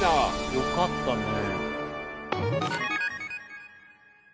よかったね。